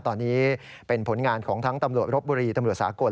ตอนนี้เป็นผลงานของทั้งตำรวจรบบุรีตำรวจสากล